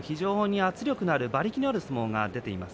圧力のある馬力のある相撲が出ています。